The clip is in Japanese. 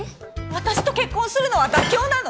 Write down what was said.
私と結婚するのは妥協なの？